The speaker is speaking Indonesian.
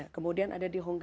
kemudian ada di hongkong